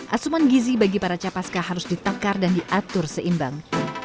asuman gizi bagi para capaska harus ditakar dan diatur seimbang